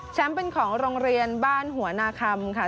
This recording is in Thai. แชมป์เป็นของโรงเรียนบ้านหัวหน้าคำ